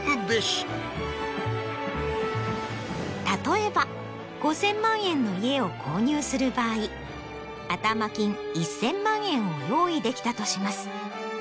例えば５０００万円の家を購入する場合頭金１０００万円を用意できたとします。